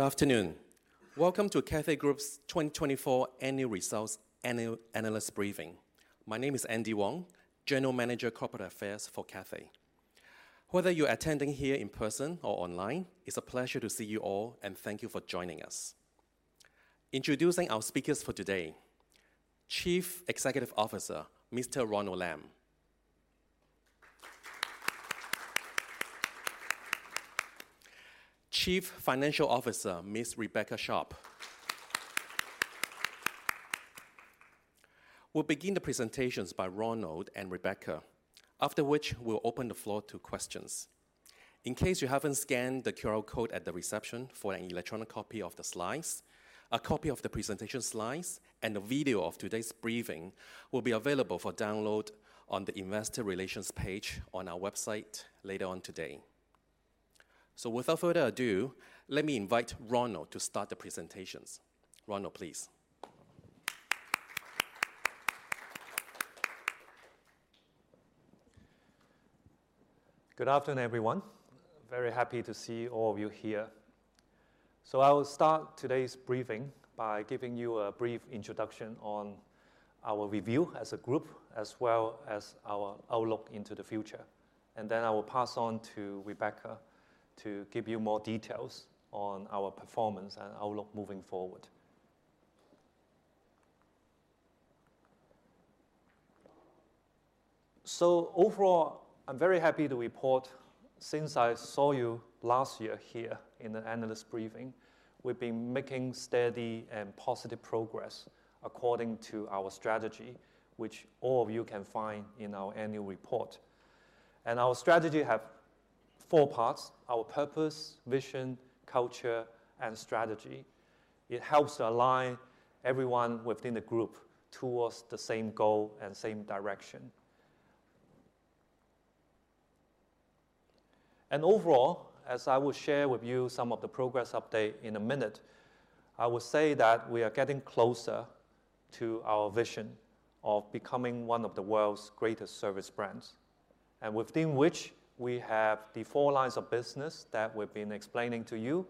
Good afternoon. Welcome to Cathay Group's 2024 Annual Results Analyst Briefing. My name is Andy Wong, General Manager, Corporate Affairs for Cathay. Whether you're attending here in person or online, it's a pleasure to see you all, and thank you for joining us. Introducing our speakers for today: Chief Executive Officer, Mr. Ronald Lam; Chief Financial Officer, Ms. Rebecca Sharpe. We'll begin the presentations by Ronald and Rebecca, after which we'll open the floor to questions. In case you haven't scanned the QR code at the reception for an electronic copy of the slides, a copy of the presentation slides and a video of today's briefing will be available for download on the Investor Relations page on our website later on today. Without further ado, let me invite Ronald to start the presentations. Ronald, please. Good afternoon, everyone. Very happy to see all of you here. I will start today's briefing by giving you a brief introduction on our review as a group, as well as our outlook into the future. I will pass on to Rebecca to give you more details on our performance and outlook moving forward. Overall, I'm very happy to report, since I saw you last year here in the analyst briefing, we've been making steady and positive progress according to our strategy, which all of you can find in our annual report. Our strategy has four parts: our purpose, vision, culture, and strategy. It helps to align everyone within the group towards the same goal and same direction. Overall, as I will share with you some of the progress update in a minute, I will say that we are getting closer to our vision of becoming one of the world's greatest service brands, and within which we have the four lines of business that we've been explaining to you,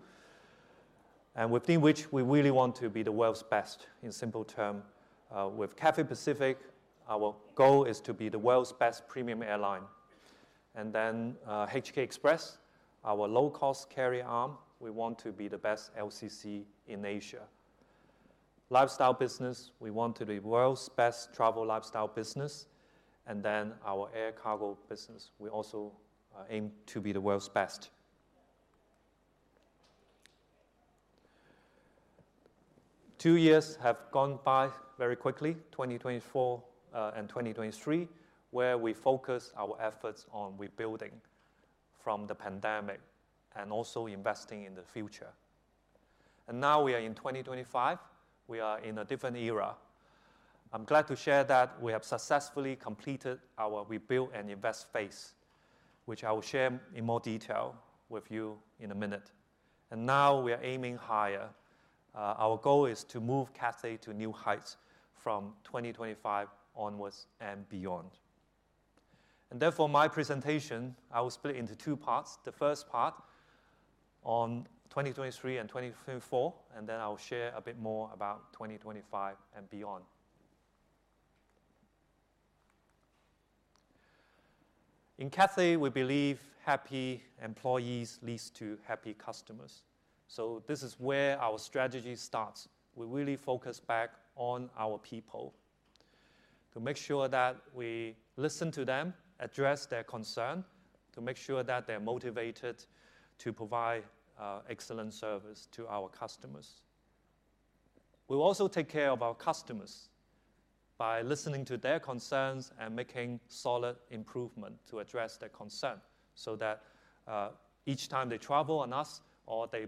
and within which we really want to be the world's best, in simple terms. With Cathay Pacific, our goal is to be the world's best premium airline. HK Express, our low-cost carrier arm, we want to be the best LCC in Asia. Lifestyle business, we want to be the world's best travel lifestyle business. Our air cargo business, we also aim to be the world's best. Two years have gone by very quickly, 2024 and 2023, where we focused our efforts on rebuilding from the pandemic and also investing in the future. We are in 2025. We are in a different era. I'm glad to share that we have successfully completed our rebuild and invest phase, which I will share in more detail with you in a minute. We are aiming higher. Our goal is to move Cathay to new heights from 2025 onwards and beyond. Therefore, my presentation, I will split into two parts. The first part on 2023 and 2024, and then I'll share a bit more about 2025 and beyond. In Cathay, we believe happy employees lead to happy customers. This is where our strategy starts. We really focus back on our people to make sure that we listen to them, address their concern, to make sure that they're motivated to provide excellent service to our customers. We also take care of our customers by listening to their concerns and making solid improvements to address their concerns so that each time they travel on us or they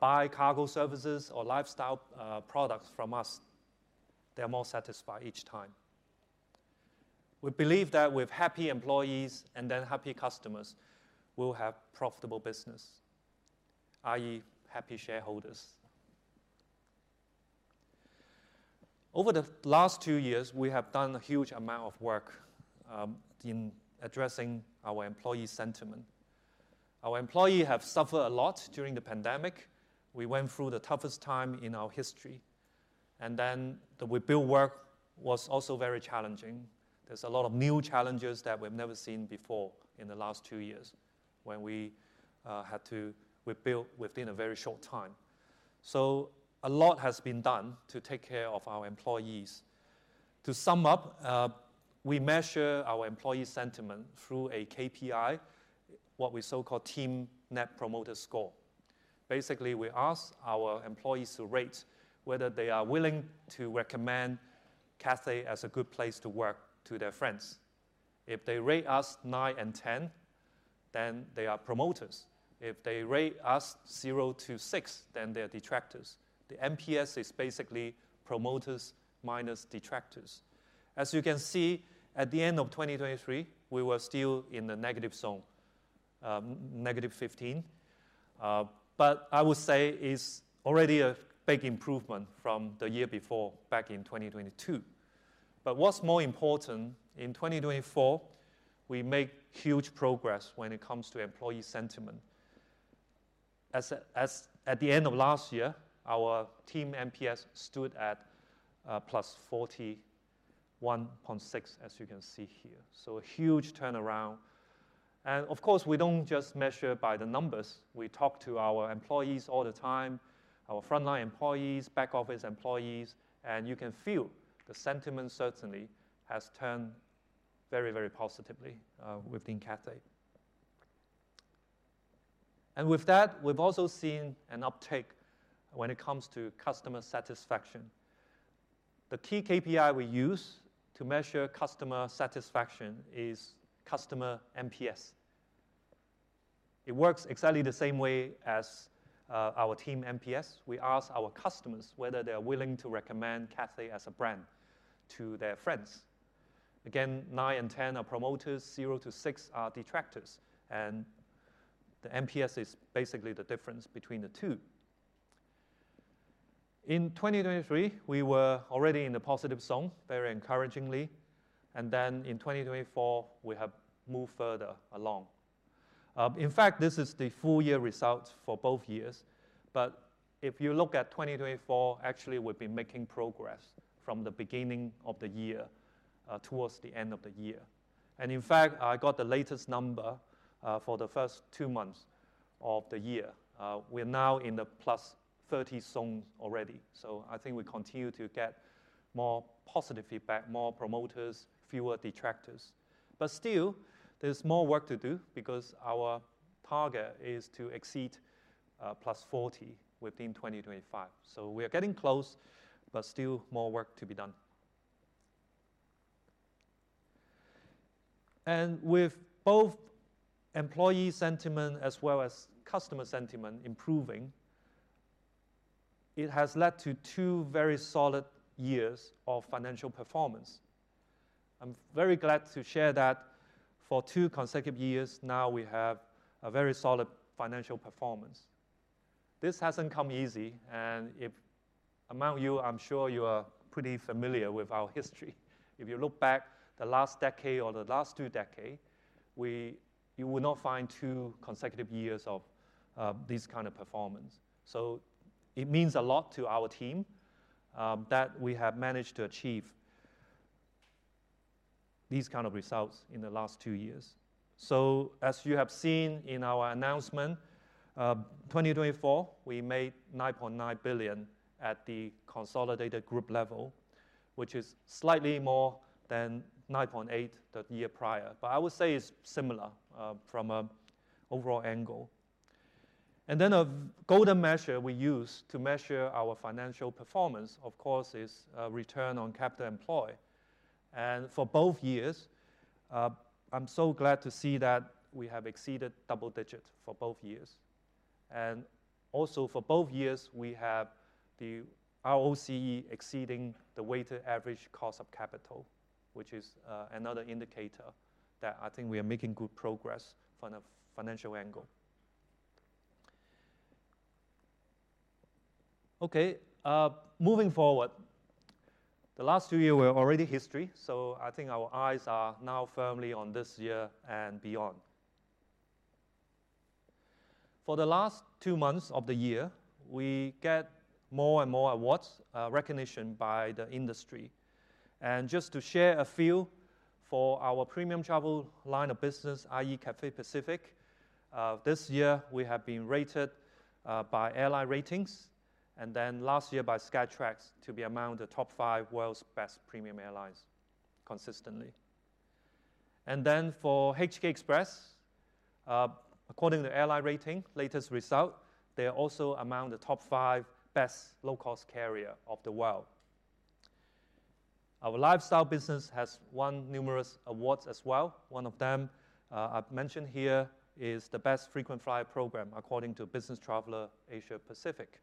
buy cargo services or lifestyle products from us, they're more satisfied each time. We believe that with happy employees and then happy customers, we'll have profitable business, i.e., happy shareholders. Over the last two years, we have done a huge amount of work in addressing our employee sentiment. Our employees have suffered a lot during the pandemic. We went through the toughest time in our history. The rebuild work was also very challenging. There are a lot of new challenges that we've never seen before in the last two years when we had to rebuild within a very short time. A lot has been done to take care of our employees. To sum up, we measure our employee sentiment through a KPI, what we so-called Team Net Promoter Score. Basically, we ask our employees to rate whether they are willing to recommend Cathay as a good place to work to their friends. If they rate us nine and 10, then they are promoters. If they rate us 0-6, then they are detractors. The NPS is basically promoters minus detractors. As you can see, at the end of 2023, we were still in the negative zone, negative 15. I would say it's already a big improvement from the year before, back in 2022. What's more important, in 2024, we made huge progress when it comes to employee sentiment. At the end of last year, our team NPS stood at +41.6, as you can see here. A huge turnaround. Of course, we don't just measure by the numbers. We talk to our employees all the time, our frontline employees, back office employees, and you can feel the sentiment certainly has turned very, very positively within Cathay. With that, we've also seen an uptake when it comes to customer satisfaction. The key KPI we use to measure customer satisfaction is Customer NPS. It works exactly the same way as our team NPS. We ask our customers whether they are willing to recommend Cathay as a brand to their friends. Again, nine and 10 are promoters, 0-6 are detractors. The NPS is basically the difference between the two. In 2023, we were already in the positive zone, very encouragingly. In 2024, we have moved further along. In fact, this is the full year result for both years. If you look at 2024, actually, we've been making progress from the beginning of the year towards the end of the year. In fact, I got the latest number for the first two months of the year. We're now in the plus 30 zone already. I think we continue to get more positive feedback, more promoters, fewer detractors. Still, there's more work to do because our target is to exceed plus 40 within 2025. We are getting close, but still more work to be done. With both employee sentiment as well as customer sentiment improving, it has led to two very solid years of financial performance. I'm very glad to share that for two consecutive years now, we have a very solid financial performance. This hasn't come easy. If among you, I'm sure you are pretty familiar with our history. If you look back the last decade or the last two decades, you will not find two consecutive years of this kind of performance. It means a lot to our team that we have managed to achieve these kind of results in the last two years. As you have seen in our announcement, 2024, we made 9.9 billion at the consolidated group level, which is slightly more than 9.8 billion the year prior. I would say it is similar from an overall angle. A golden measure we use to measure our financial performance, of course, is return on capital employed. For both years, I am so glad to see that we have exceeded double digits for both years. Also, for both years, we have the ROCE exceeding the weighted average cost of capital, which is another indicator that I think we are making good progress from a financial angle. Moving forward, the last two years were already history. I think our eyes are now firmly on this year and beyond. For the last two months of the year, we get more and more awards, recognition by the industry. Just to share a few, for our premium travel line of business, i.e., Cathay Pacific, this year, we have been rated by AirlineRatings, and then last year by Skytrax to be among the top five world's best premium airlines consistently. For HK Express, according to AirlineRatings, latest result, they are also among the top five best low-cost carriers of the world. Our lifestyle business has won numerous awards as well. One of them I've mentioned here is the best frequent flyer program according to Business Traveller Asia Pacific.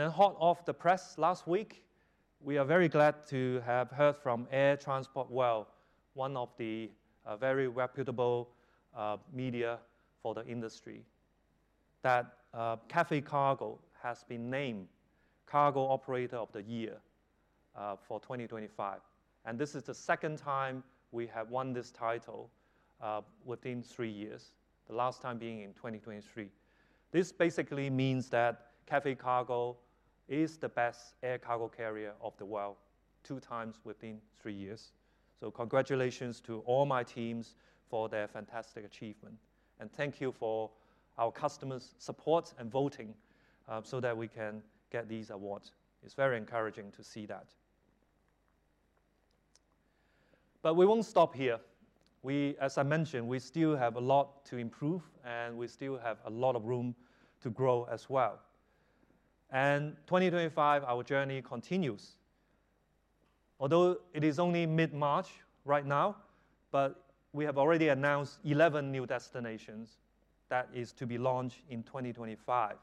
Hot off the press last week, we are very glad to have heard from Air Transport World, one of the very reputable media for the industry, that Cathay Cargo has been named Cargo Operator of the Year for 2025. This is the second time we have won this title within three years, the last time being in 2023. This basically means that Cathay Cargo is the best air cargo carrier of the world, two times within three years. Congratulations to all my teams for their fantastic achievement. Thank you for our customers' support and voting so that we can get these awards. It's very encouraging to see that. We won't stop here. As I mentioned, we still have a lot to improve, and we still have a lot of room to grow as well. In 2025, our journey continues. Although it is only mid-March right now, we have already announced 11 new destinations that are to be launched in 2025,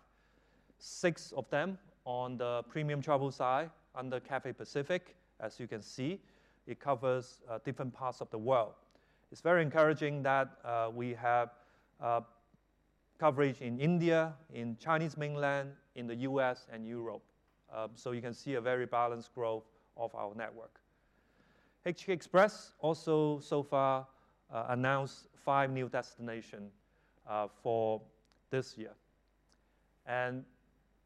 six of them on the premium travel side under Cathay Pacific, as you can see. It covers different parts of the world. It is very encouraging that we have coverage in India, in Chinese mainland, in the US, and Europe. You can see a very balanced growth of our network. HK Express also so far announced five new destinations for this year.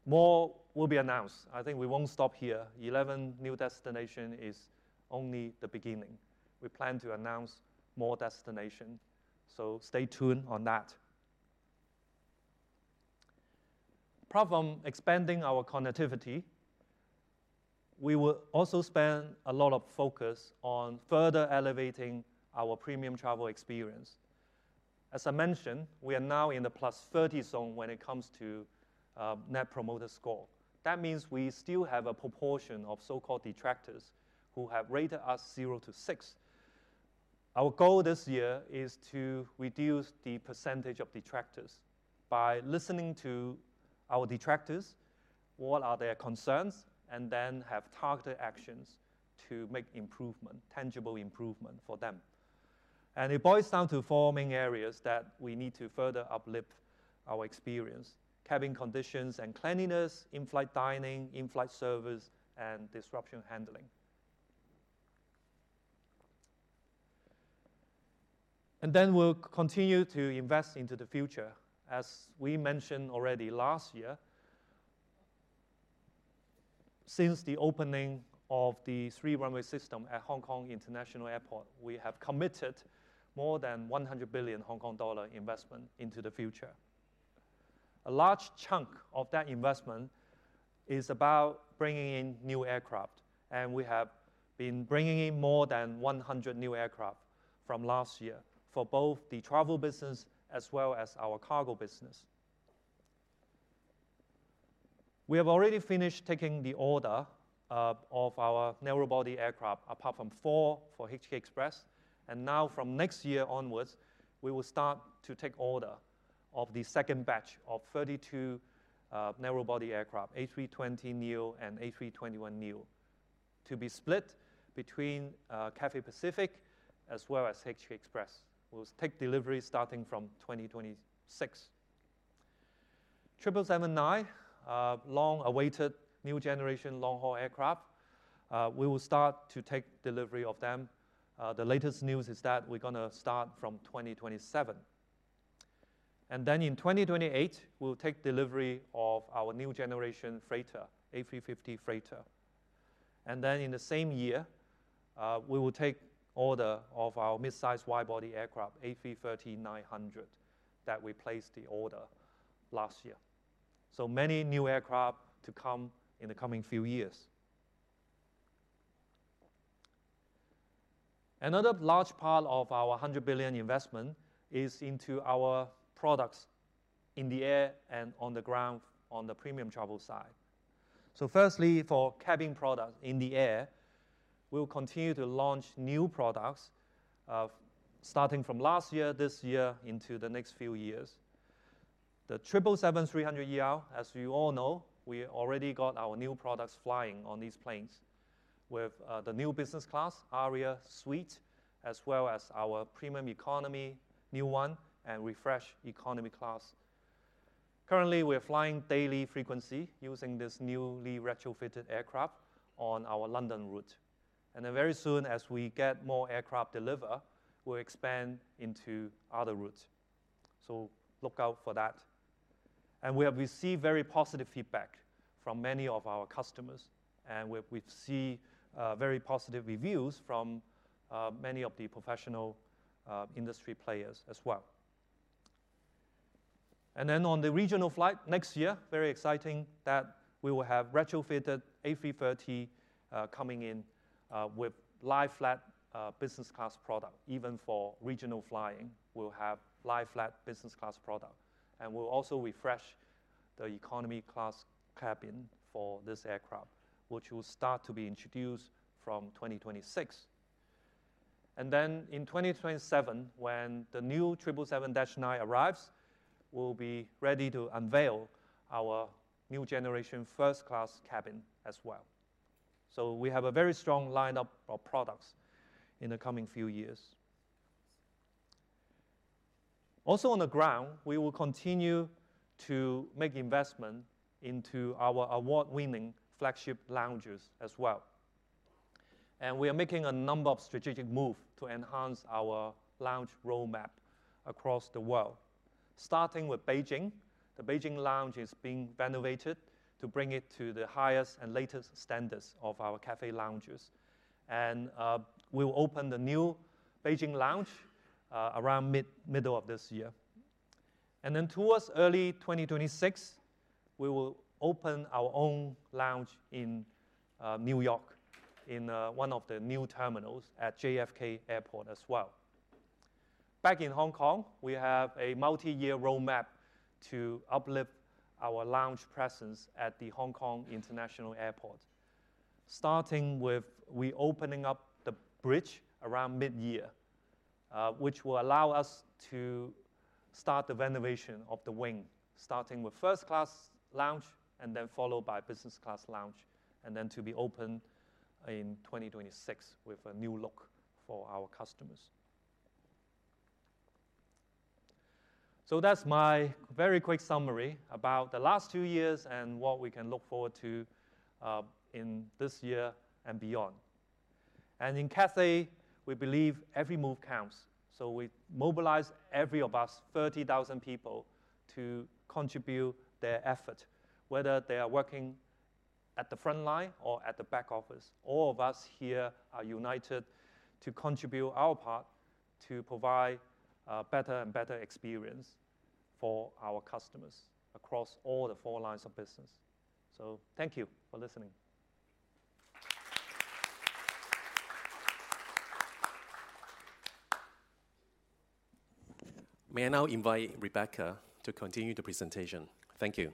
More will be announced. I think we will not stop here. 11 new destinations is only the beginning. We plan to announce more destinations. Stay tuned on that. Apart from expanding our connectivity, we will also spend a lot of focus on further elevating our premium travel experience. As I mentioned, we are now in the plus 30 zone when it comes to Net Promoter Score. That means we still have a proportion of so-called detractors who have rated us 0-6. Our goal this year is to reduce the percentage of detractors by listening to our detractors, what are their concerns, and then have targeted actions to make improvement, tangible improvement for them. It boils down to four main areas that we need to further uplift our experience: cabin conditions and cleanliness, in-flight dining, in-flight service, and disruption handling. We will continue to invest into the future. As we mentioned already last year, since the opening of the Three-runway System at Hong Kong International Airport, we have committed more than 100 million Hong Kong dollar investment into the future. A large chunk of that investment is about bringing in new aircraft. We have been bringing in more than 100 million from last year for both the travel business as well as our cargo business. We have already finished taking the order of our narrowbody aircraft, apart from four for HK Express. Now, from next year onwards, we will start to take order of the second batch of 32 narrowbody aircraft, A320neo and A321neo, to be split between Cathay Pacific as well as HK Express. We will take delivery starting from 2026. 777-9, long awaited new generation long-haul aircraft, we will start to take delivery of them. The latest news is that we're going to start from 2027. In 2028, we will take delivery of our new generation freighter, A350 freighter. In the same year, we will take order of our mid-size widebody aircraft, A330-900, that we placed the order last year. Many new aircraft to come in the coming few years. Another large part of our 100 million investment is into our products in the air and on the ground on the premium travel side. Firstly, for cabin products in the air, we'll continue to launch new products starting from last year, this year, into the next few years. The 777-300ER, as you all know, we already got our new products flying on these planes with the new business class, Aria Suite, as well as our premium economy, new one, and refreshed economy class. Currently, we are flying daily frequency using this newly retrofitted aircraft on our London route. Very soon, as we get more aircraft delivered, we'll expand into other routes. Look out for that. We have received very positive feedback from many of our customers. We've seen very positive reviews from many of the professional industry players as well. On the regional flight next year, it is very exciting that we will have retrofitted A330 coming in with lie-flat business class product. Even for regional flying, we'll have lie-flat business class product. We'll also refresh the economy class cabin for this aircraft, which will start to be introduced from 2026. In 2027, when the new 777-9 arrives, we'll be ready to unveil our new generation first-class cabin as well. We have a very strong lineup of products in the coming few years. Also, on the ground, we will continue to make investment into our award-winning flagship lounges as well. We are making a number of strategic moves to enhance our lounge roadmap across the world, starting with Beijing. The Beijing Lounge is being renovated to bring it to the highest and latest standards of our Cathay lounges. We will open the new Beijing Lounge around middle of this year. Towards early 2026, we will open our own lounge in New York in one of the new terminals at JFK Airport as well. Back in Hong Kong, we have a multi-year roadmap to uplift our lounge presence at the Hong Kong International Airport, starting with reopening up the Bridge around mid-year, which will allow us to start the renovation of the Wing, starting with first-class lounge and then followed by business class lounge, and then to be opened in 2026 with a new look for our customers. That is my very quick summary about the last two years and what we can look forward to in this year and beyond. In Cathay, we believe every move counts. We mobilize every of us, 30,000 people, to contribute their effort, whether they are working at the front line or at the back office. All of us here are united to contribute our part to provide a better and better experience for our customers across all the four lines of business. Thank you for listening. May I now invite Rebecca to continue the presentation? Thank you.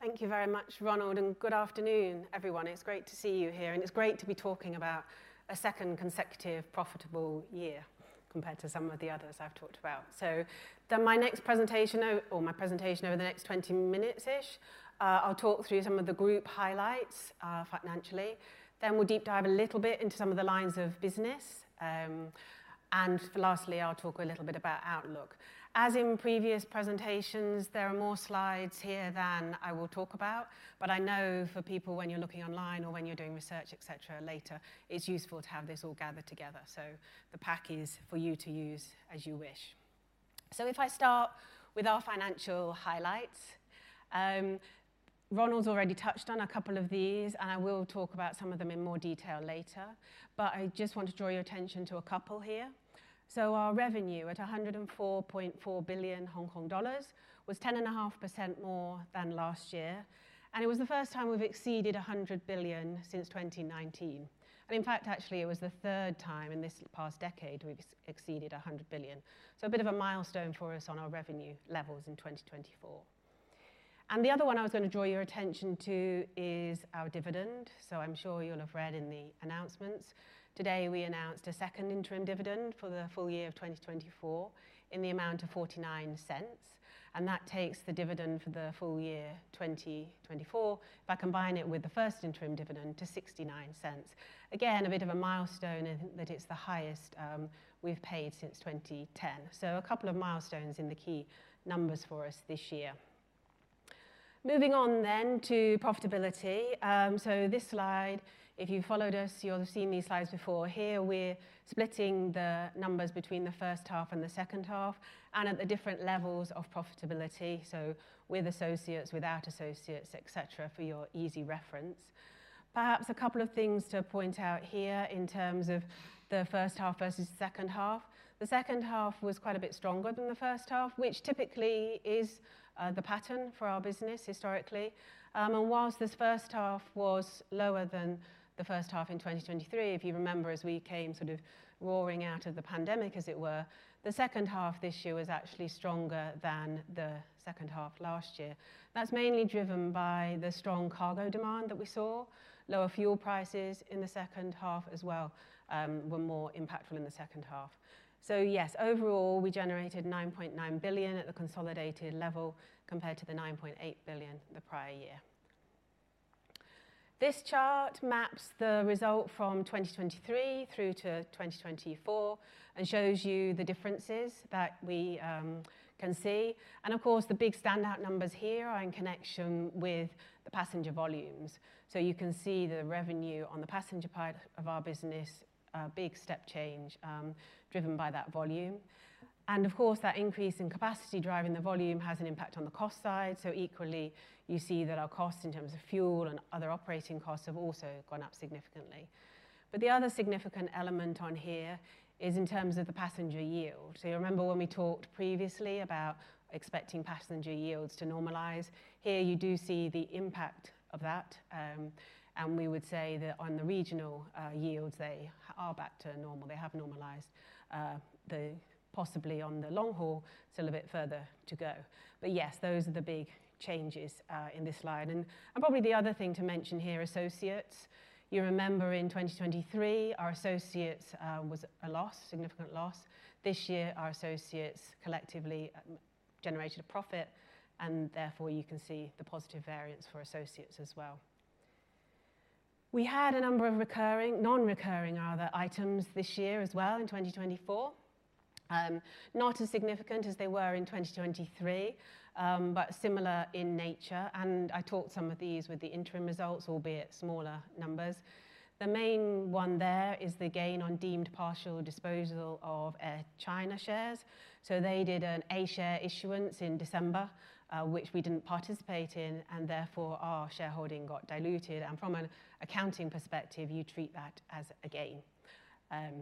Thank you very much, Ronald. Good afternoon, everyone. It's great to see you here. It's great to be talking about a second consecutive profitable year compared to some of the others I've talked about. My next presentation, or my presentation over the next 20 minutes-ish, I'll talk through some of the group highlights financially. Then we'll deep dive a little bit into some of the lines of business. Lastly, I'll talk a little bit about outlook. As in previous presentations, there are more slides here than I will talk about. I know for people, when you're looking online or when you're doing research, et cetera, later, it's useful to have this all gathered together. The pack is for you to use as you wish. If I start with our financial highlights, Ronald's already touched on a couple of these, and I will talk about some of them in more detail later. I just want to draw your attention to a couple here. Our revenue at 104.4 billion Hong Kong dollars was 10.5% more than last year. It was the first time we've exceeded 100 billion since 2019. In fact, actually, it was the third time in this past decade we've exceeded 100 billion. A bit of a milestone for us on our revenue levels in 2024. The other one I was going to draw your attention to is our dividend. I'm sure you'll have read in the announcements. Today, we announced a second interim dividend for the full year of 2024 in the amount of 0.49. That takes the dividend for the full year 2024, if I combine it with the first interim dividend, to 0.69. Again, a bit of a milestone in that it is the highest we have paid since 2010. A couple of milestones in the key numbers for us this year. Moving on to profitability. This slide, if you followed us, you will have seen these slides before. Here, we are splitting the numbers between the first half and the second half and at the different levels of profitability. With associates, without associates, et cetera, for your easy reference. Perhaps a couple of things to point out here in terms of the first half versus the second half. The second half was quite a bit stronger than the first half, which typically is the pattern for our business historically. Whilst this first half was lower than the first half in 2023, if you remember, as we came sort of roaring out of the pandemic, as it were, the second half this year was actually stronger than the second half last year. That is mainly driven by the strong cargo demand that we saw. Lower fuel prices in the second half as well were more impactful in the second half. Yes, overall, we generated 9.9 billion at the consolidated level compared to the 9.8 billion the prior year. This chart maps the result from 2023 through to 2024 and shows you the differences that we can see. Of course, the big standout numbers here are in connection with the passenger volumes. You can see the revenue on the passenger part of our business, a big step change driven by that volume. Of course, that increase in capacity driving the volume has an impact on the cost side. Equally, you see that our costs in terms of fuel and other operating costs have also gone up significantly. The other significant element on here is in terms of the passenger yield. You remember when we talked previously about expecting passenger yields to normalize. Here, you do see the impact of that. We would say that on the regional yields, they are back to normal. They have normalized. Possibly on the long haul, still a bit further to go. Yes, those are the big changes in this slide. Probably the other thing to mention here, associates. You remember in 2023, our associates was a loss, significant loss. This year, our associates collectively generated a profit. Therefore, you can see the positive variance for associates as well. We had a number of non-recurring items this year as well in 2024, not as significant as they were in 2023, but similar in nature. I talked some of these with the interim results, albeit smaller numbers. The main one there is the gain on deemed partial disposal of Air China shares. They did an A-share issuance in December, which we did not participate in. Therefore, our shareholding got diluted. From an accounting perspective, you treat that as a gain. That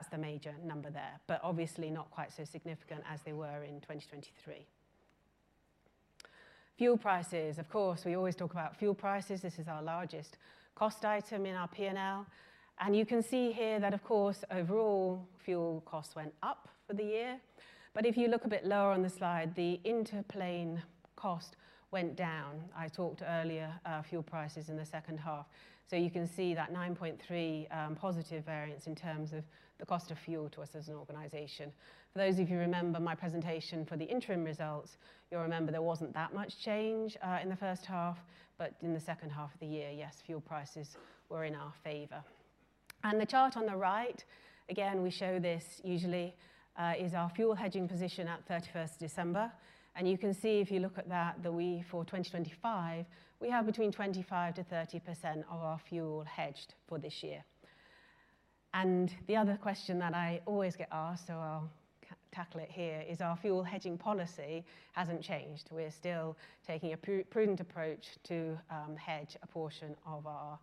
is the major number there, obviously not quite so significant as they were in 2023. Fuel prices, of course, we always talk about fuel prices. This is our largest cost item in our P&L. You can see here that, of course, overall, fuel costs went up for the year. If you look a bit lower on the slide, the interplane cost went down. I talked earlier about fuel prices in the second half. You can see that 9.3 positive variance in terms of the cost of fuel to us as an organization. For those of you who remember my presentation for the interim results, you'll remember there was not that much change in the first half. In the second half of the year, yes, fuel prices were in our favor. The chart on the right, again, we show this usually, is our fuel hedging position at 31 December. You can see, if you look at that, that for 2025, we have between 25%-30% of our fuel hedged for this year. The other question that I always get asked, so I'll tackle it here, is our fuel hedging policy has not changed. We're still taking a prudent approach to hedge a portion of our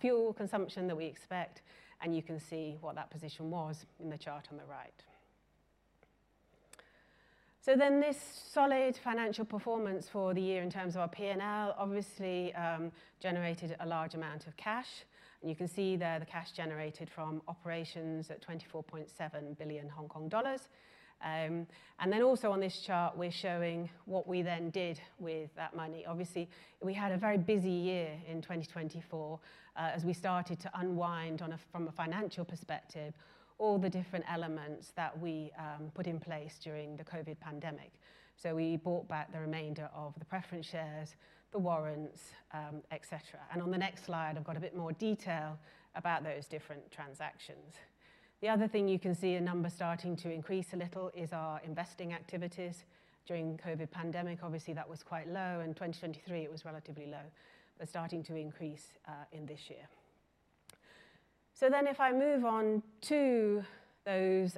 fuel consumption that we expect. You can see what that position was in the chart on the right. This solid financial performance for the year in terms of our P&L obviously generated a large amount of cash. You can see there the cash generated from operations at 24.7 billion Hong Kong dollars. Also on this chart, we're showing what we then did with that money. We had a very busy year in 2024 as we started to unwind from a financial perspective all the different elements that we put in place during the COVID pandemic. We bought back the remainder of the preference shares, the warrants, et cetera. On the next slide, I have a bit more detail about those different transactions. The other thing you can see a number starting to increase a little is our investing activities. During the COVID pandemic, obviously, that was quite low. In 2023, it was relatively low, but starting to increase in this year. If I move on to those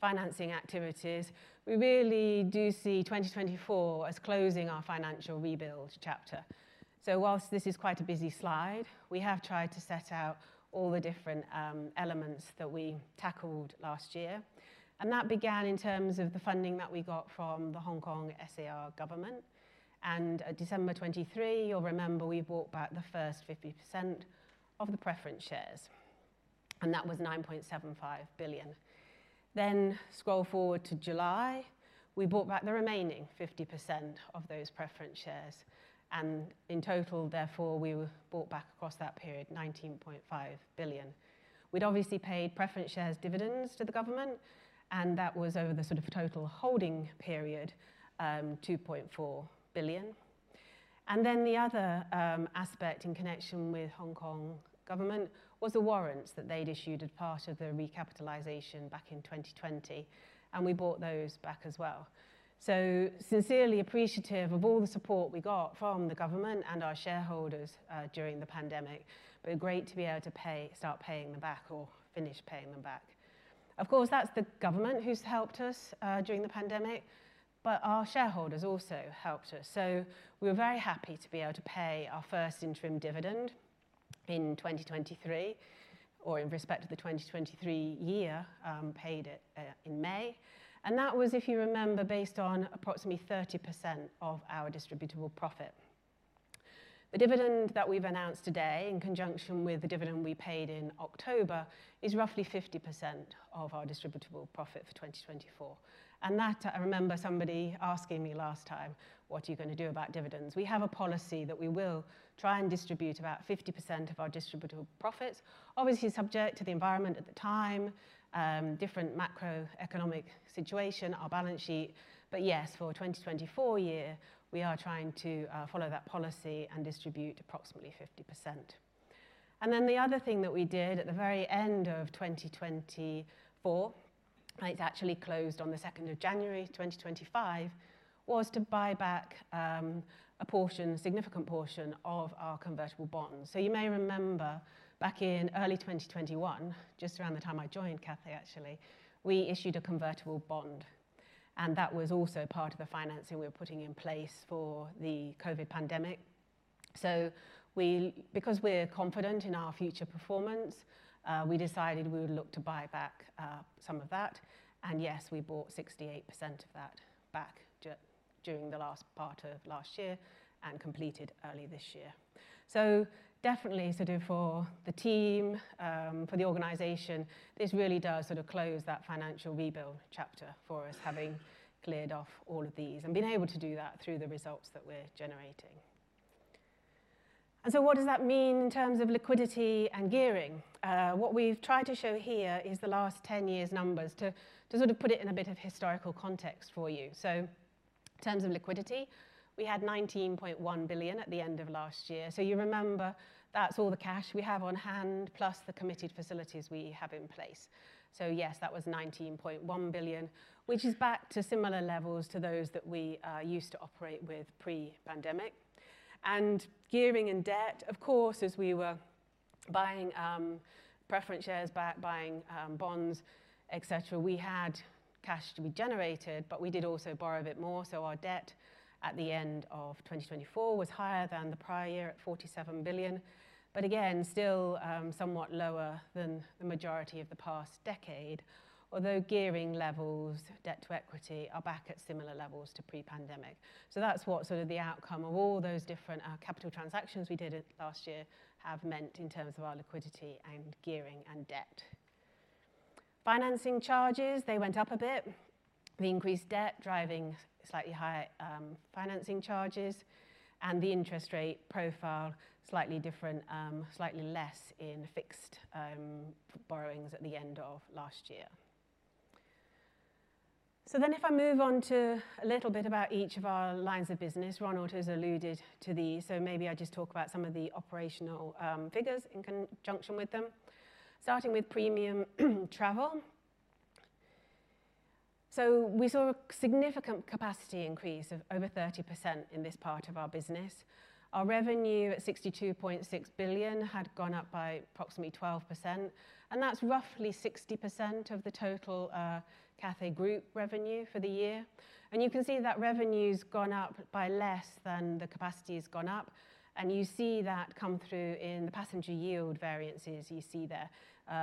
financing activities, we really do see 2024 as closing our financial rebuild chapter. Whilst this is quite a busy slide, we have tried to set out all the different elements that we tackled last year. That began in terms of the funding that we got from the Hong Kong SAR Government. In December 2023, you'll remember we bought back the first 50% of the preference shares. That was 9.75 billion. Scroll forward to July, we bought back the remaining 50% of those preference shares. In total, therefore, we bought back across that period 19.5 billion. We'd obviously paid preference shares dividends to the government. That was over the sort of total holding period 2.4 billion. The other aspect in connection with the Hong Kong government was the warrants that they'd issued as part of the recapitalization back in 2020. We bought those back as well. Sincerely appreciative of all the support we got from the government and our shareholders during the pandemic, great to be able to start paying them back or finish paying them back. Of course, that's the government who's helped us during the pandemic, but our shareholders also helped us. We were very happy to be able to pay our first interim dividend in 2023, or in respect of the 2023 year, paid it in May. That was, if you remember, based on approximately 30% of our distributable profit. The dividend that we've announced today in conjunction with the dividend we paid in October is roughly 50% of our distributable profit for 2024. I remember somebody asking me last time, what are you going to do about dividends? We have a policy that we will try and distribute about 50% of our distributable profits, obviously subject to the environment at the time, different macroeconomic situation, our balance sheet. Yes, for the 2024 year, we are trying to follow that policy and distribute approximately 50%. The other thing that we did at the very end of 2024, and it actually closed on the 2nd of January, 2025, was to buy back a significant portion of our convertible bonds. You may remember back in early 2021, just around the time I joined Cathay, actually, we issued a convertible bond. That was also part of the financing we were putting in place for the COVID pandemic. Because we're confident in our future performance, we decided we would look to buy back some of that. Yes, we bought 68% of that back during the last part of last year and completed early this year. Definitely, for the team, for the organization, this really does close that financial rebuild chapter for us, having cleared off all of these and being able to do that through the results that we're generating. What does that mean in terms of liquidity and gearing? What we've tried to show here is the last 10 years' numbers to put it in a bit of historical context for you. In terms of liquidity, we had 19.1 billion at the end of last year. You remember that's all the cash we have on hand, plus the committed facilities we have in place. Yes, that was 19.1 billion, which is back to similar levels to those that we used to operate with pre-pandemic. Gearing and debt, of course, as we were buying preference shares back, buying bonds, et cetera, we had cash to be generated, but we did also borrow a bit more. Our debt at the end of 2024 was higher than the prior year at 47 billion, but again, still somewhat lower than the majority of the past decade, although gearing levels, debt to equity, are back at similar levels to pre-pandemic. That's what the outcome of all those different capital transactions we did last year have meant in terms of our liquidity and gearing and debt. Financing charges went up a bit. The increased debt driving slightly higher financing charges and the interest rate profile slightly different, slightly less in fixed borrowings at the end of last year. If I move on to a little bit about each of our lines of business, Ronald has alluded to these. Maybe I just talk about some of the operational figures in conjunction with them, starting with premium travel. We saw a significant capacity increase of over 30% in this part of our business. Our revenue at 62.6 billion had gone up by approximately 12%. That is roughly 60% of the total Cathay Group revenue for the year. You can see that revenue's gone up by less than the capacity's gone up. You see that come through in the passenger yield variances you see there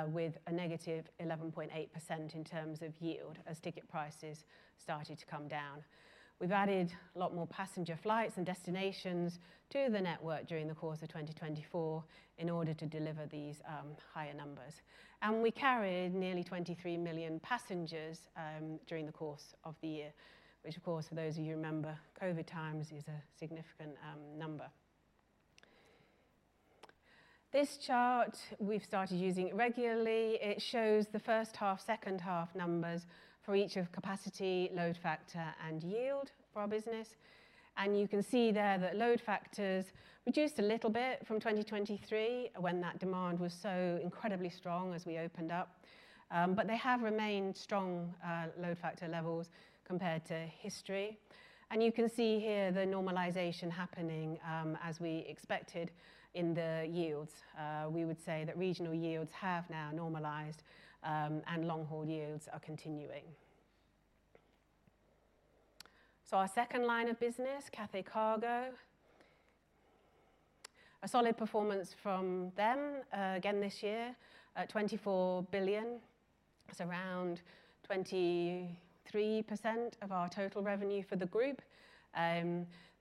with a negative 11.8% in terms of yield as ticket prices started to come down. We have added a lot more passenger flights and destinations to the network during the course of 2024 in order to deliver these higher numbers. We carried nearly 23 million passengers during the course of the year, which, of course, for those of you who remember COVID times is a significant number. This chart we have started using regularly. It shows the first half, second half numbers for each of capacity, load factor, and yield for our business. You can see there that load factors reduced a little bit from 2023 when that demand was so incredibly strong as we opened up. They have remained strong load factor levels compared to history. You can see here the normalization happening as we expected in the yields. We would say that regional yields have now normalized and long haul yields are continuing. Our second line of business, Cathay Cargo, a solid performance from them again this year, 24 billion. It is around 23% of our total revenue for the group.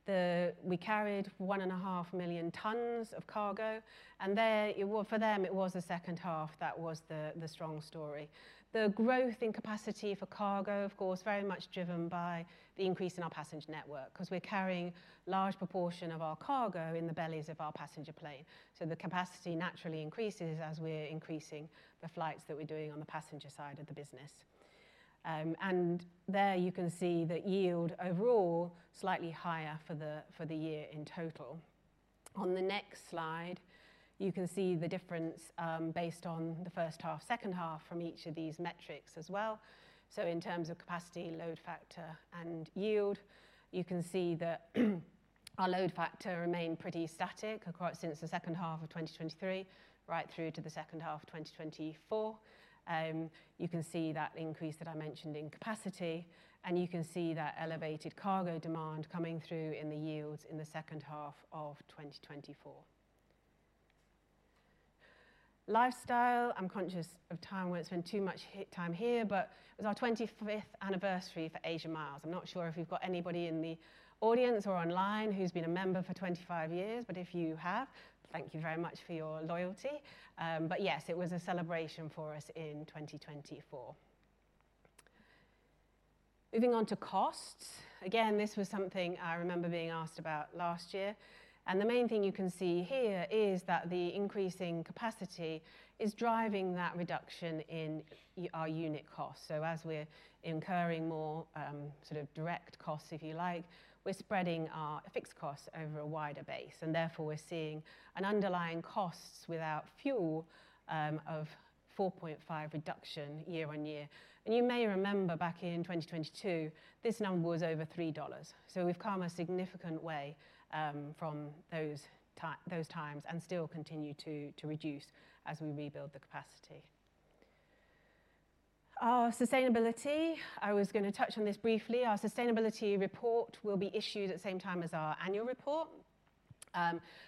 We carried 1.5 million tons of cargo. For them, it was the second half that was the strong story. The growth in capacity for cargo, of course, very much driven by the increase in our passenger network because we are carrying a large proportion of our cargo in the bellies of our passenger plane. The capacity naturally increases as we are increasing the flights that we are doing on the passenger side of the business. You can see the yield overall slightly higher for the year in total. On the next slide, you can see the difference based on the first half, second half from each of these metrics as well. In terms of capacity, load factor, and yield, you can see that our load factor remained pretty static since the second half of 2023 right through to the second half of 2024. You can see that increase that I mentioned in capacity. You can see that elevated cargo demand coming through in the yields in the second half of 2024. Lifestyle, I'm conscious of time. We're not spending too much time here, but it was our 25th anniversary for Asia Miles. I'm not sure if we've got anybody in the audience or online who's been a member for 25 years, but if you have, thank you very much for your loyalty. Yes, it was a celebration for us in 2024. Moving on to costs. Again, this was something I remember being asked about last year. The main thing you can see here is that the increasing capacity is driving that reduction in our unit costs. As we're incurring more sort of direct costs, if you like, we're spreading our fixed costs over a wider base. Therefore, we're seeing an underlying costs without fuel of 4.5% reduction year on year. You may remember back in 2022, this number was over $3. We have come a significant way from those times and still continue to reduce as we rebuild the capacity. Our sustainability, I was going to touch on this briefly. Our sustainability report will be issued at the same time as our annual report.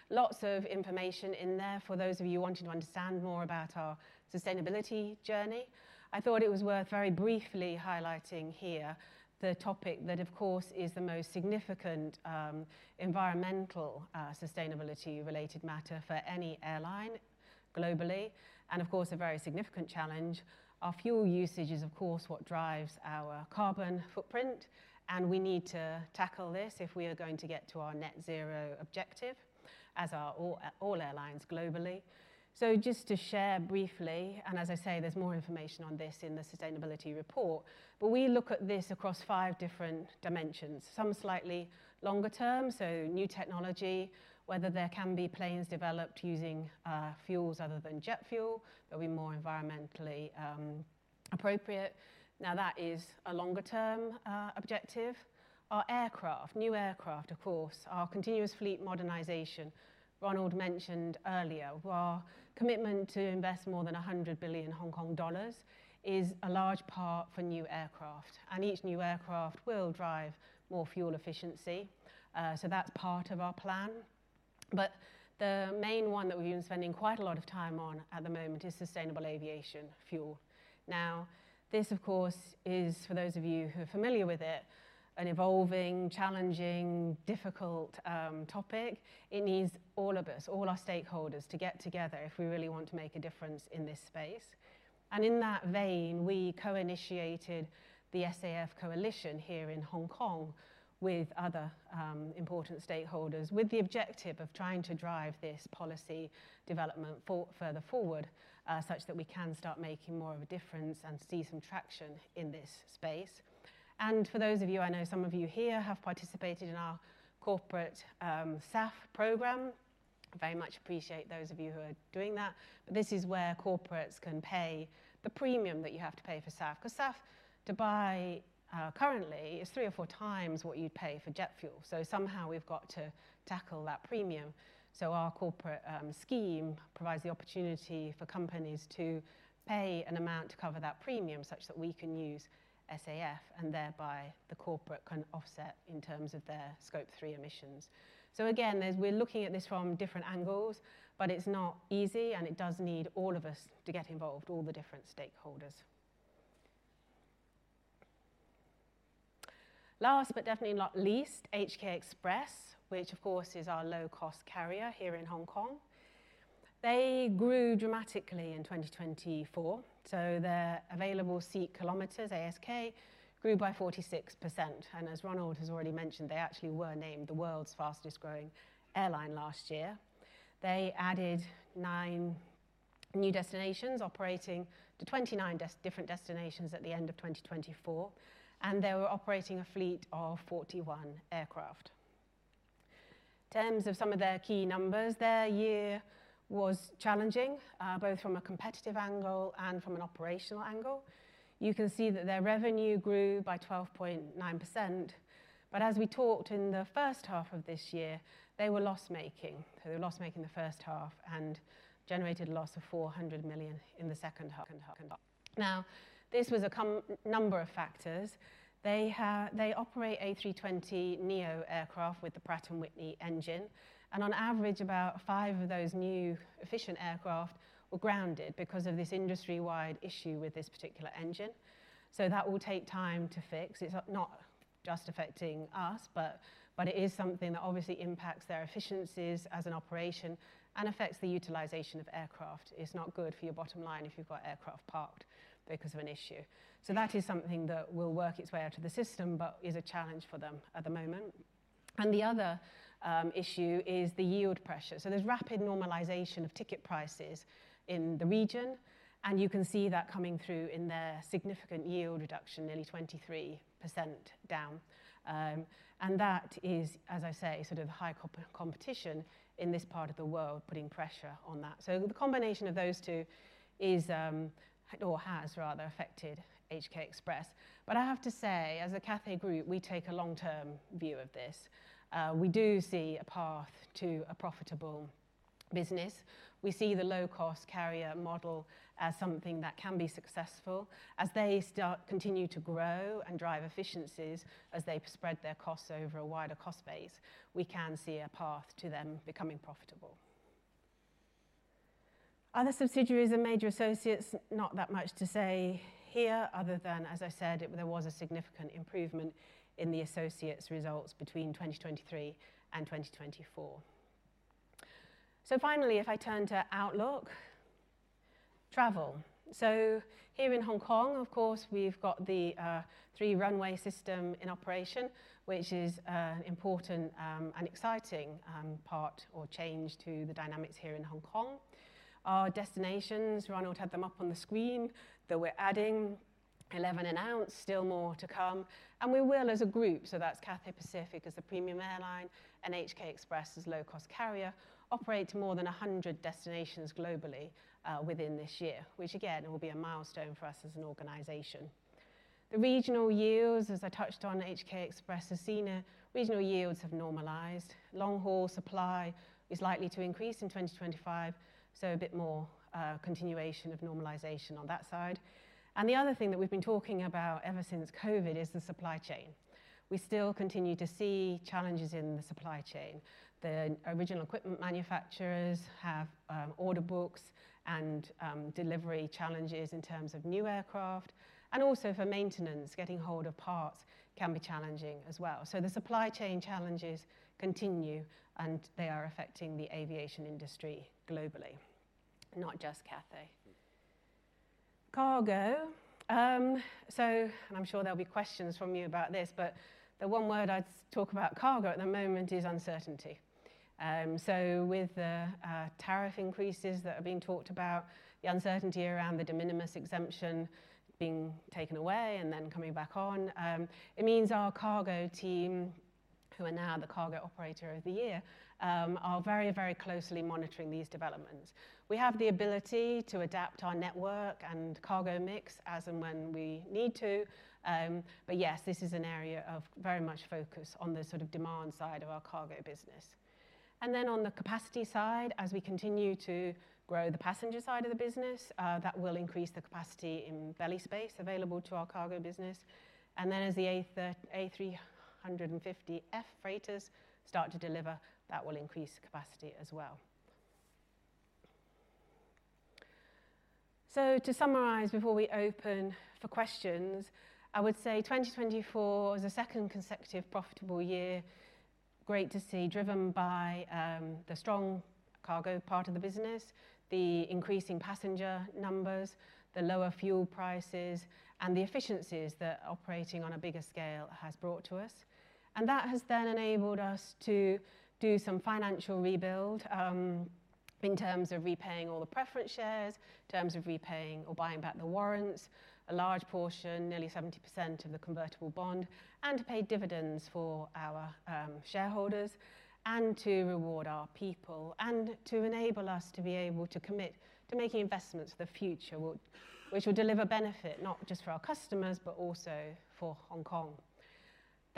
Lots of information in there for those of you wanting to understand more about our sustainability journey. I thought it was worth very briefly highlighting here the topic that, of course, is the most significant environmental sustainability-related matter for any airline globally. Of course, a very significant challenge. Our fuel usage is, of course, what drives our carbon footprint. We need to tackle this if we are going to get to our net zero objective as all airlines globally. Just to share briefly, and as I say, there is more information on this in the sustainability report, but we look at this across five different dimensions. Some slightly longer term, new technology, whether there can be planes developed using fuels other than jet fuel that will be more environmentally appropriate. That is a longer term objective. Our aircraft, new aircraft, of course, our continuous fleet modernization, Ronald mentioned earlier, our commitment to invest more than 100 billion Hong Kong dollars is a large part for new aircraft. Each new aircraft will drive more fuel efficiency. That is part of our plan. The main one that we have been spending quite a lot of time on at the moment is sustainable aviation fuel. This, of course, is, for those of you who are familiar with it, an evolving, challenging, difficult topic. It needs all of us, all our stakeholders to get together if we really want to make a difference in this space. In that vein, we co-initiated the SAF Coalition here in Hong Kong with other important stakeholders with the objective of trying to drive this policy development further forward such that we can start making more of a difference and see some traction in this space. For those of you, I know some of you here have participated in our corporate SAF program. I very much appreciate those of you who are doing that. This is where corporates can pay the premium that you have to pay for SAF because SAF Dubai currently is three or four times what you'd pay for jet fuel. Somehow we've got to tackle that premium. Our corporate scheme provides the opportunity for companies to pay an amount to cover that premium such that we can use SAF and thereby the corporate can offset in terms of their Scope 3 emissions. Again, we're looking at this from different angles, but it's not easy and it does need all of us to get involved, all the different stakeholders. Last, but definitely not least, HK Express, which of course is our low-cost carrier here in Hong Kong. They grew dramatically in 2024. Their available seat kilometers, ASK, grew by 46%. As Ronald has already mentioned, they actually were named the world's fastest growing airline last year. They added nine new destinations, operating to 29 different destinations at the end of 2024. They were operating a fleet of 41 aircraft. In terms of some of their key numbers, their year was challenging both from a competitive angle and from an operational angle. You can see that their revenue grew by 12.9%. As we talked in the first half of this year, they were loss-making. They were loss-making the first half and generated a loss of 400 million in the second half. Now, this was a number of factors. They operate A320neo aircraft with the Pratt & Whitney engine. On average, about five of those new efficient aircraft were grounded because of this industry-wide issue with this particular engine. That will take time to fix. It is not just affecting us, but it is something that obviously impacts their efficiencies as an operation and affects the utilization of aircraft. It is not good for your bottom line if you have got aircraft parked because of an issue. That is something that will work its way out of the system, but is a challenge for them at the moment. The other issue is the yield pressure. There is rapid normalization of ticket prices in the region. You can see that coming through in their significant yield reduction, nearly 23% down. That is, as I say, sort of the high competition in this part of the world putting pressure on that. The combination of those two has rather affected HK Express. I have to say, as a Cathay Group, we take a long-term view of this. We do see a path to a profitable business. We see the low-cost carrier model as something that can be successful. As they continue to grow and drive efficiencies, as they spread their costs over a wider cost base, we can see a path to them becoming profitable. Other subsidiaries and major associates, not that much to say here other than, as I said, there was a significant improvement in the associates' results between 2023 and 2024. Finally, if I turn to Outlook, travel. Here in Hong Kong, of course, we have the Three-runway System in operation, which is an important and exciting part or change to the dynamics here in Hong Kong. Our destinations, Ronald had them up on the screen, that we are adding, 11 announced, still more to come. We will as a group, that is Cathay Pacific as the premium airline and HK Express as low-cost carrier, operate to more than 100 destinations globally within this year, which again will be a milestone for us as an organization. The regional yields, as I touched on, HK Express has seen regional yields have normalized. Long haul supply is likely to increase in 2025, so a bit more continuation of normalization on that side. The other thing that we have been talking about ever since COVID is the supply chain. We still continue to see challenges in the supply chain. The original equipment manufacturers have order books and delivery challenges in terms of new aircraft. Also for maintenance, getting hold of parts can be challenging as well. The supply chain challenges continue and they are affecting the aviation industry globally, not just Cathay Cargo. I'm sure there'll be questions from you about this, but the one word I'd talk about cargo at the moment is uncertainty. With the tariff increases that are being talked about, the uncertainty around the de minimis exemption being taken away and then coming back on, it means our cargo team, who are now the cargo operator of the year, are very, very closely monitoring these developments. We have the ability to adapt our network and cargo mix as and when we need to. Yes, this is an area of very much focus on the sort of demand side of our cargo business. On the capacity side, as we continue to grow the passenger side of the business, that will increase the capacity in belly space available to our cargo business. As the A350 freighters start to deliver, that will increase capacity as well. To summarize before we open for questions, I would say 2024 was a second consecutive profitable year, great to see, driven by the strong cargo part of the business, the increasing passenger numbers, the lower fuel prices, and the efficiencies that operating on a bigger scale has brought to us. That has then enabled us to do some financial rebuild in terms of repaying all the preference shares, in terms of repaying or buying back the warrants, a large portion, nearly 70% of the convertible bond, and to pay dividends for our shareholders and to reward our people and to enable us to be able to commit to making investments for the future, which will deliver benefit not just for our customers, but also for Hong Kong.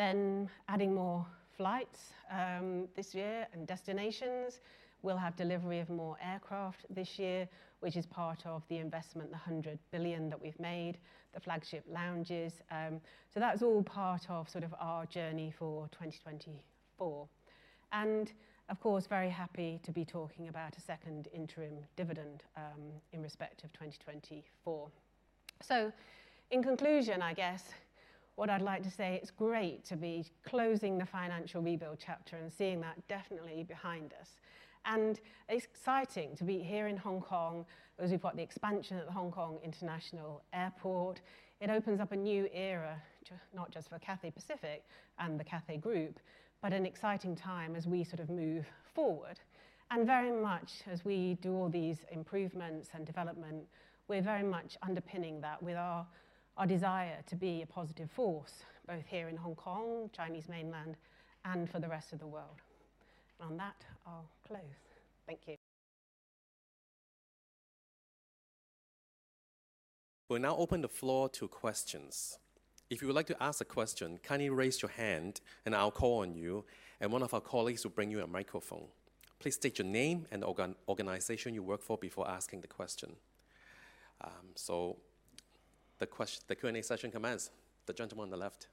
Adding more flights this year and destinations. We will have delivery of more aircraft this year, which is part of the investment, the 100 billion that we have made, the flagship lounges. That is all part of our journey for 2024. Of course, very happy to be talking about a second interim dividend in respect of 2024. In conclusion, I guess what I'd like to say, it's great to be closing the financial rebuild chapter and seeing that definitely behind us. It's exciting to be here in Hong Kong as we've got the expansion of the Hong Kong International Airport. It opens up a new era, not just for Cathay Pacific and the Cathay Group, but an exciting time as we sort of move forward. Very much as we do all these improvements and development, we're very much underpinning that with our desire to be a positive force, both here in Hong Kong, Chinese mainland, and for the rest of the world. On that, I'll close. Thank you. We'll now open the floor to questions. If you would like to ask a question, kindly raise your hand and I'll call on you, and one of our colleagues will bring you a microphone. Please state your name and the organization you work for before asking the question. The Q&A session commences. The gentleman on the left.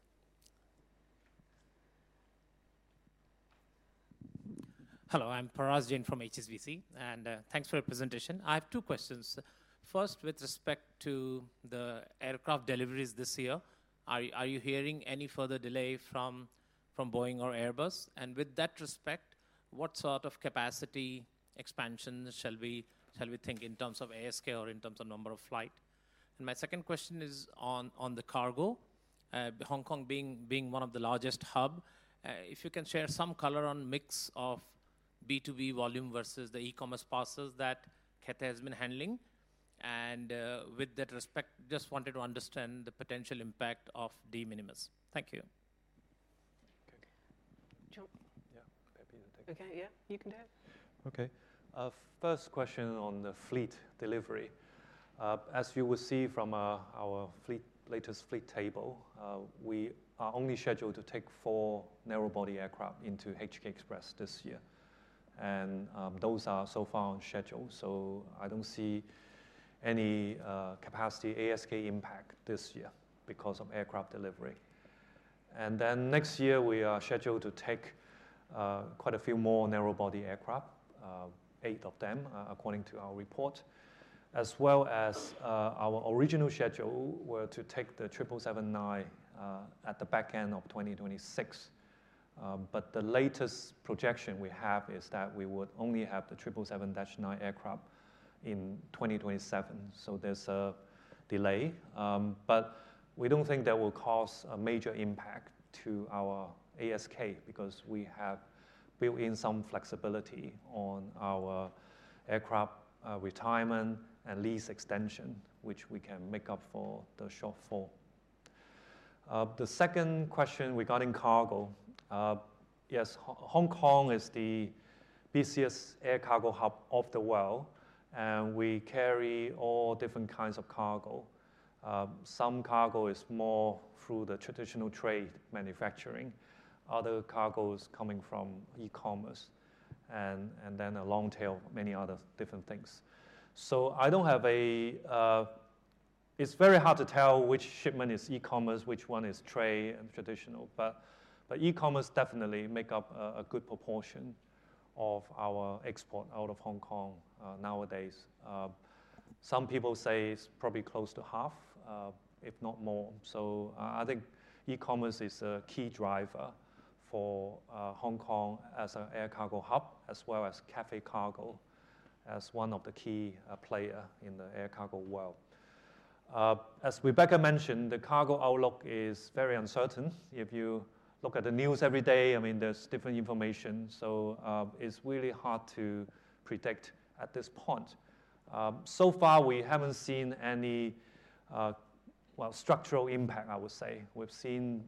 Hello, I'm Parash Jain from HSBC, and thanks for the presentation. I have two questions. First, with respect to the aircraft deliveries this year, are you hearing any further delay from Boeing or Airbus? With that respect, what sort of capacity expansion shall we think in terms of ASK or in terms of number of flights? My second question is on the cargo, Hong Kong being one of the largest hubs, if you can share some color on the mix of B2B volume versus the e-commerce parcels that Cathay has been handling. With that respect, just wanted to understand the potential impact of de minimis. Thank you. Yeah, maybe i take this. Yeah, you can do it. Okay. First question on the fleet delivery. As you will see from our latest fleet table, we are only scheduled to take four narrowbody aircraft into HK Express this year. Those are so far on schedule. I do not see any capacity ASK impact this year because of aircraft delivery. Next year, we are scheduled to take quite a few more narrowbody aircraft, eight of them, according to our report. Our original schedule was to take the 777-9 at the back end of 2026. The latest projection we have is that we would only have the 777-9 aircraft in 2027. There is a delay. We do not think that will cause a major impact to our ASK because we have built in some flexibility on our aircraft retirement and lease extension, which we can make up for the shortfall. The second question regarding cargo, yes, Hong Kong is the busiest air cargo hub of the world. We carry all different kinds of cargo. Some cargo is more through the traditional trade manufacturing. Other cargo is coming from e-commerce. Then a long tail, many other different things. I do not have a, it is very hard to tell which shipment is e-commerce, which one is trade and traditional. E-commerce definitely makes up a good proportion of our export out of Hong Kong nowadays. Some people say it is probably close to half, if not more. I think e-commerce is a key driver for Hong Kong as an air cargo hub, as well as Cathay Cargo as one of the key players in the air cargo world. As Rebecca mentioned, the cargo outlook is very uncertain. If you look at the news every day, I mean, there is different information. It's really hard to predict at this point. So far, we haven't seen any, well, structural impact, I would say. We've seen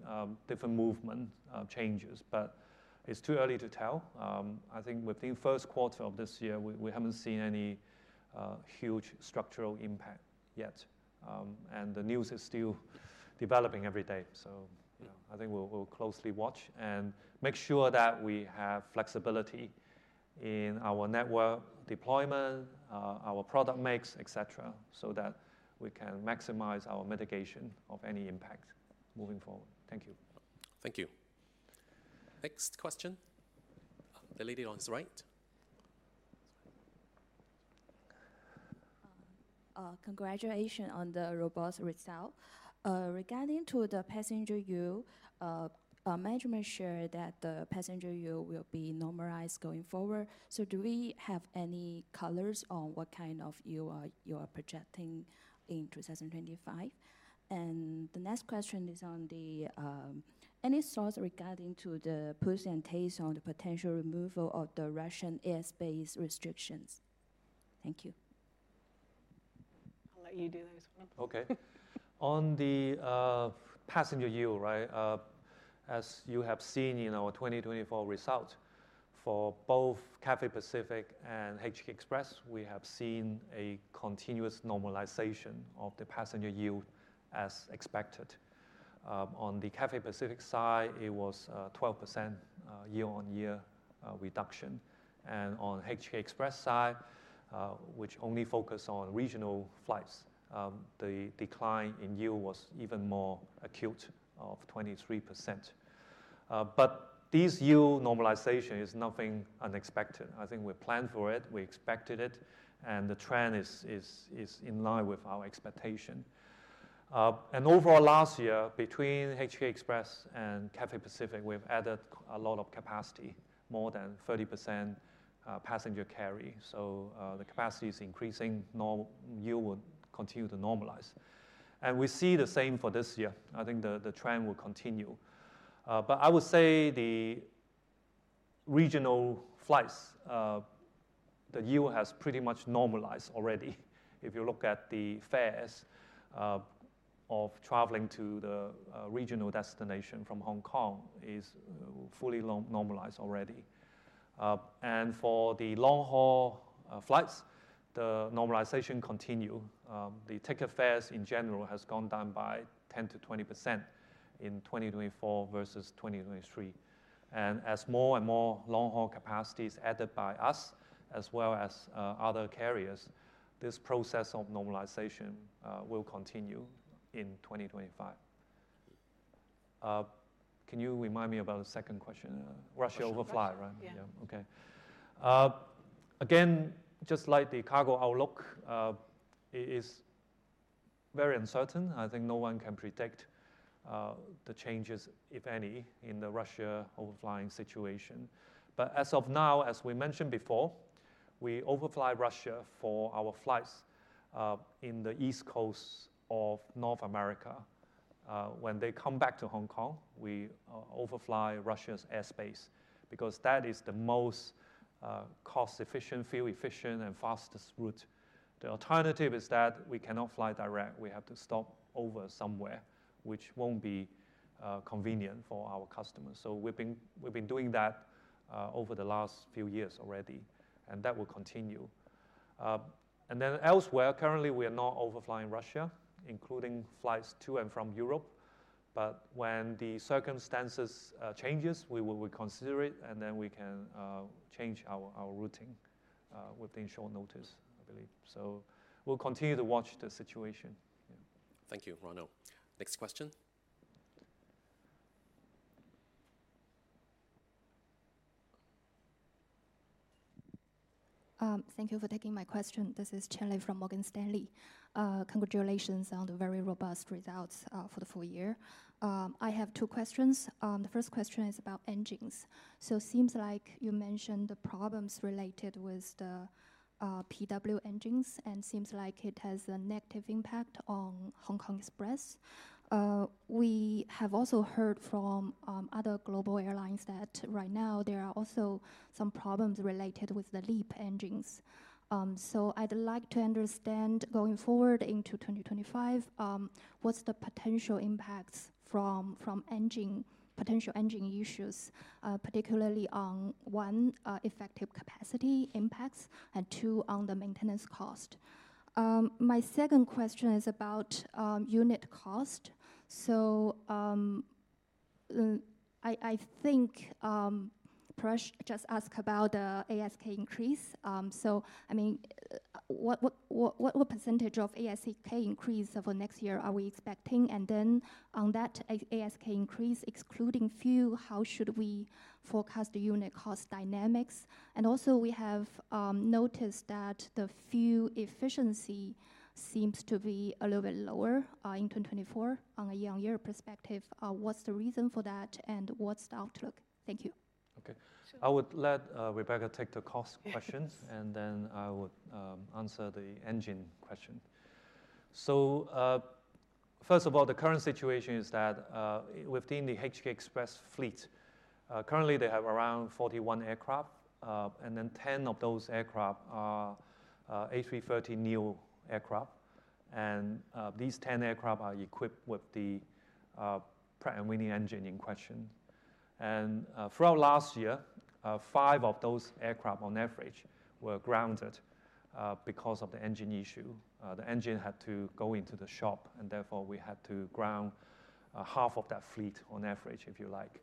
different movement changes, but it's too early to tell. I think within the first quarter of this year, we haven't seen any huge structural impact yet. The news is still developing every day. I think we'll closely watch and make sure that we have flexibility in our network deployment, our product mix, etc., so that we can maximize our mitigation of any impact moving forward. Thank you. Thank you. Next question. The lady on the right. Congratulations on the robust results. Regarding the passenger yield, management shared that the passenger yield will be normalized going forward. Do we have any colors on what kind of yield you are projecting in 2025?The next question is on any thoughts regarding the percentage on the potential removal of the Russian airspace restrictions. Thank you. I'll let you do this one. Okay. On the passenger yield, right, as you have seen in our 2024 results for both Cathay Pacific and HK Express, we have seen a continuous normalization of the passenger yield as expected. On the Cathay Pacific side, it was a 12% year-on-year reduction. On HK Express side, which only focused on regional flights, the decline in yield was even more acute at 23%. This yield normalization is nothing unexpected. I think we planned for it. We expected it. The trend is in line with our expectation. Overall last year, between HK Express and Cathay Pacific, we have added a lot of capacity, more than 30% passenger carry. The capacity is increasing. Yield will continue to normalize. We see the same for this year. I think the trend will continue. I would say the regional flights, the yield has pretty much normalized already. If you look at the fares of traveling to the regional destination from Hong Kong, it is fully normalized already. For the long-haul flights, the normalization continued. The ticket fares in general have gone down by 10%-20% in 2024 versus 2023. As more and more long-haul capacity is added by us, as well as other carriers, this process of normalization will continue in 2025. Can you remind me about the second question? Russia overflight, right? Yeah. Okay. Just like the cargo outlook, it is very uncertain. I think no one can predict the changes, if any, in the Russia overflying situation. As of now, as we mentioned before, we overfly Russia for our flights in the East Coast of North America. When they come back to Hong Kong, we overfly Russia's airspace because that is the most cost-efficient, fuel-efficient, and fastest route. The alternative is that we cannot fly direct. We have to stop over somewhere, which will not be convenient for our customers. We have been doing that over the last few years already, and that will continue. Elsewhere, currently, we are not overflying Russia, including flights to and from Europe. When the circumstances change, we will reconsider it, and we can change our routing within short notice, I believe. We will continue to watch the situation. Thank you, Ronald. Next question. Thank you for taking my question. This is Chen Li from Morgan Stanley. Congratulations on the very robust results for the full year. I have two questions. The first question is about engines. It seems like you mentioned the problems related with the PW engines, and it seems like it has a negative impact on Hong Kong Express. We have also heard from other global airlines that right now, there are also some problems related with the LEAP engines. I'd like to understand going forward into 2025, what's the potential impacts from potential engine issues, particularly on one, effective capacity impacts, and two, on the maintenance cost. My second question is about unit cost. I think Paras just asked about the ASK increase. I mean, what percentage of ASK increase for next year are we expecting? On that ASK increase, excluding fuel, how should we forecast the unit cost dynamics? Also, we have noticed that the fuel efficiency seems to be a little bit lower in 2024 on a year-on-year perspective. What's the reason for that, and what's the outlook? Thank you. Okay. I would let Rebecca take the cost questions, and then I would answer the engine question. First of all, the current situation is that within the HK Express fleet, currently, they have around 41 aircraft, and 10 of those aircraft are A320neo aircraft. These 10 aircraft are equipped with the Pratt & Whitney engine in question. Throughout last year, five of those aircraft on average were grounded because of the engine issue. The engine had to go into the shop, and therefore, we had to ground half of that fleet on average, if you like.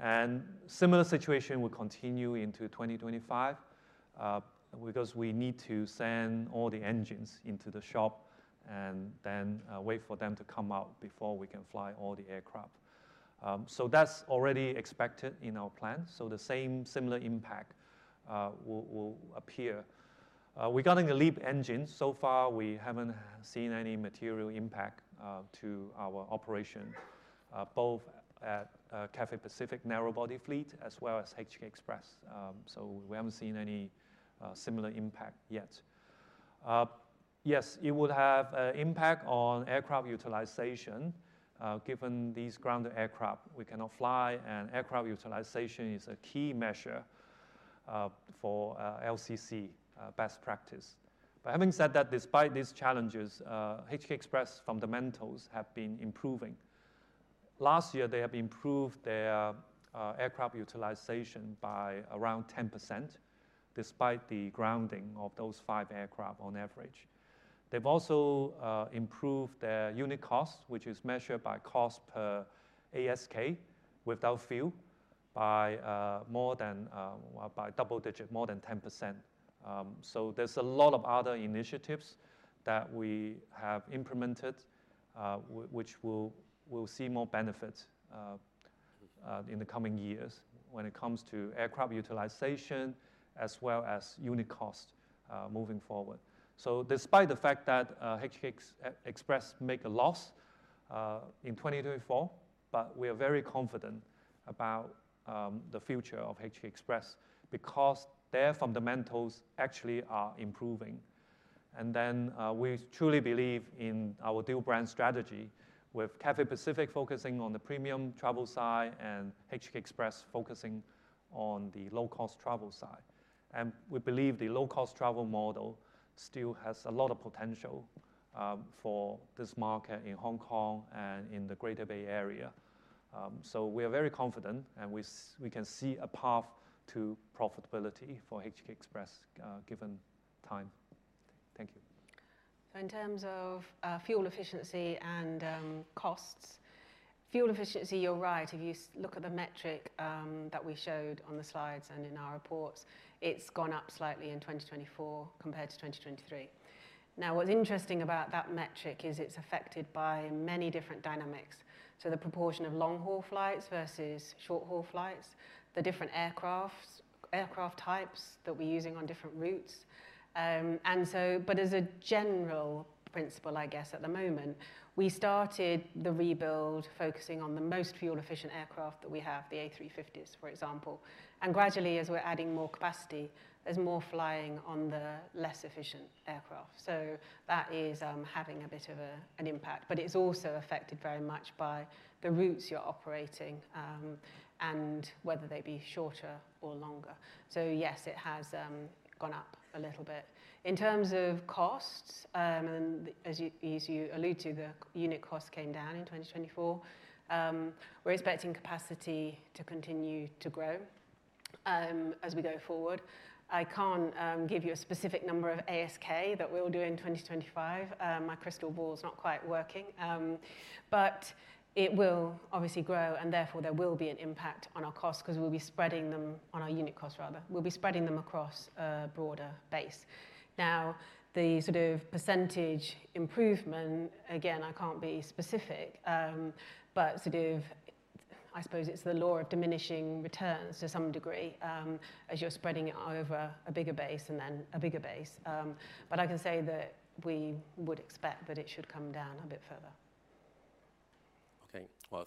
A similar situation will continue into 2025 because we need to send all the engines into the shop and then wait for them to come out before we can fly all the aircraft. That is already expected in our plan. The same similar impact will appear. Regarding the LEAP engine, so far, we have not seen any material impact to our operation, both at Cathay Pacific narrowbody fleet as well as HK Express. We have not seen any similar impact yet. Yes, it would have an impact on aircraft utilization given these grounded aircraft. We cannot fly, and aircraft utilization is a key measure for LCC best practice. Having said that, despite these challenges, HK Express fundamentals have been improving. Last year, they have improved their aircraft utilization by around 10% despite the grounding of those five aircraft on average. They've also improved their unit cost, which is measured by cost per ASK without fuel, by more than double digit, more than 10%. There are a lot of other initiatives that we have implemented, which we'll see more benefits in the coming years when it comes to aircraft utilization as well as unit cost moving forward. Despite the fact that HK Express makes a loss in 2024, we are very confident about the future of HK Express because their fundamentals actually are improving. We truly believe in our dual-brand strategy with Cathay Pacific focusing on the premium travel side and HK Express focusing on the low-cost travel side. We believe the low-cost travel model still has a lot of potential for this market in Hong Kong and in the Greater Bay Area. We are very confident, and we can see a path to profitability for HK Express given time. Thank you. In terms of fuel efficiency and costs, fuel efficiency, you're right. If you look at the metric that we showed on the slides and in our reports, it's gone up slightly in 2024 compared to 2023. What's interesting about that metric is it's affected by many different dynamics. The proportion of long-haul flights versus short-haul flights, the different aircraft types that we're using on different routes. As a general principle, I guess at the moment, we started the rebuild focusing on the most fuel-efficient aircraft that we have, the A350s, for example. Gradually, as we're adding more capacity, there's more flying on the less efficient aircraft. That is having a bit of an impact. It is also affected very much by the routes you are operating and whether they be shorter or longer. Yes, it has gone up a little bit. In terms of costs, as you alluded to, the unit cost came down in 2024. We are expecting capacity to continue to grow as we go forward. I cannot give you a specific number of ASK that we will do in 2025. My crystal ball is not quite working. It will obviously grow, and therefore, there will be an impact on our costs because we will be spreading them on our unit costs, rather. We will be spreading them across a broader base. Now, the sort of percentage improvement, again, I cannot be specific, but I suppose it is the law of diminishing returns to some degree as you are spreading it over a bigger base and then a bigger base. I can say that we would expect that it should come down a bit further.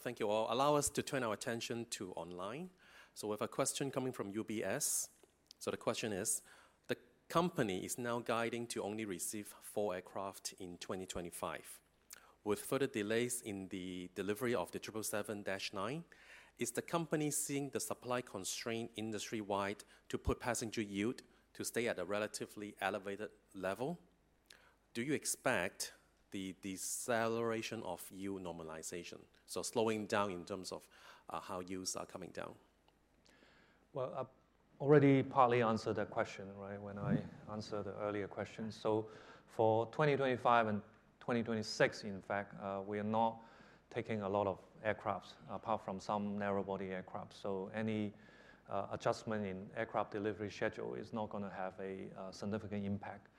Thank you all. Allow us to turn our attention to online. We have a question coming from UBS. The question is, the company is now guiding to only receive four aircraft in 2025. With further delays in the delivery of the 777-9, is the company seeing the supply constraint industry-wide to put passenger yield to stay at a relatively elevated level? Do you expect the deceleration of yield normalization, so slowing down in terms of how yields are coming down? I have already partly answered that question, right, when I answered the earlier question. For 2025 and 2026, in fact, we are not taking a lot of aircraft apart from some narrowbody aircraft. Any adjustment in aircraft delivery schedule is not going to have a significant impact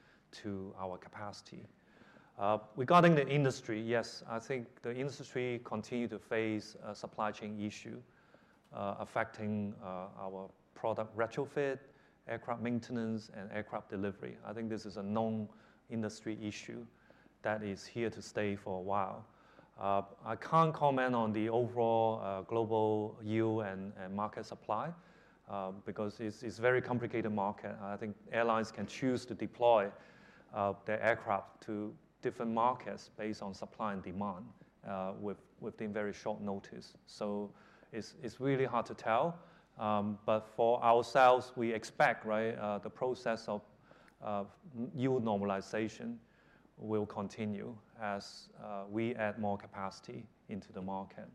to our capacity. Regarding the industry, yes, I think the industry continues to face a supply chain issue affecting our product retrofit, aircraft maintenance, and aircraft delivery. I think this is a known industry issue that is here to stay for a while. I can't comment on the overall global yield and market supply because it's a very complicated market. I think airlines can choose to deploy their aircraft to different markets based on supply and demand within very short notice. It's really hard to tell. For ourselves, we expect, right, the process of yield normalization will continue as we add more capacity into the market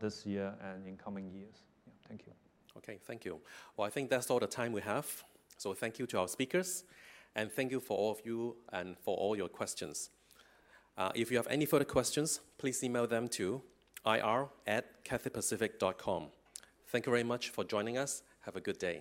this year and in coming years. Yeah. Thank you. Thank you. I think that's all the time we have. Thank you to our speakers, and thank you for all of you and for all your questions. If you have any further questions, please email them to ir@cathaypacific.com. Thank you very much for joining us. Have a good day.